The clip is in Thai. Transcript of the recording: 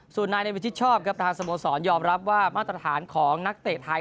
ส่วนนายในวิชิตชอบครับทางสโมสรยอมรับว่ามาตรฐานของนักเตะไทย